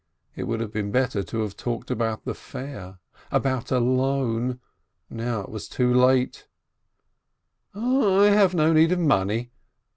It would have been better to have talked about the fair, about a loan. Now it is too late : "I have no need of money!"